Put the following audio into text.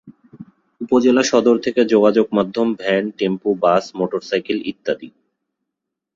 উপজেলা সদর থেকে যোগাযোগ মাধ্যম ভ্যান, টেম্পু, বাস, মোটরসাইকেল ইত্যাদি।